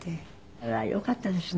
あらよかったですね。